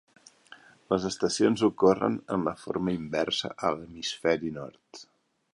Les estacions ocorren en forma inversa a l'hemisferi nord.